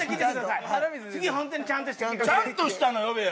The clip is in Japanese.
ちゃんとしたの呼べや！